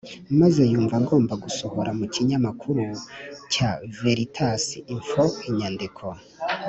maze yumva agomba gusohora mu kinyamakuru cya Veritas Info inyandiko.